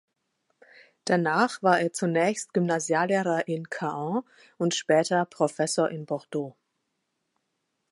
Danach war er zunächst Gymnasiallehrer in Caen und später Professor in Bordeaux.